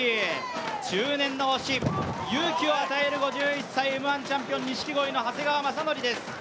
中年の星、勇気を与える５１歳、「Ｍ−１」チャンピオン長谷川です。